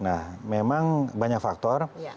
nah memang banyak faktor